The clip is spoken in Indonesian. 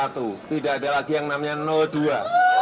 tidak ada lagi yang namanya dua